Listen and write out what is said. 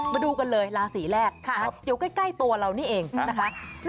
มาดูกันเลยราศีแรกอยู่ใกล้ตัวเรานี่เองนะคะ